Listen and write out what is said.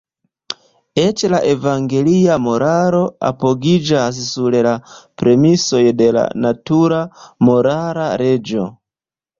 Eĉ la evangelia moralo apogiĝas sur la premisoj de la natura morala leĝo.